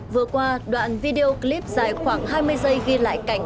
vừa qua đoạn video clip dài khoảng hai mươi giây ghi lại cảnh